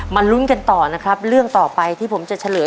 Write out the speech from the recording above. ลุ้นกันต่อนะครับเรื่องต่อไปที่ผมจะเฉลย